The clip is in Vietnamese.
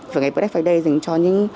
và ngày black friday dành cho những